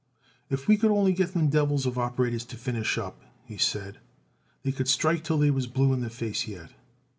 "If we could only get them devils of operators to finish up," he said, "they could strike till they was blue in the face yet."